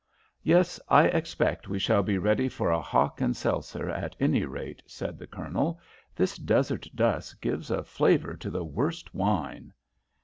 "Yes, I expect we shall be ready for a hock and seltzer, at any rate," said the Colonel. "This desert dust gives a flavour to the worst wine."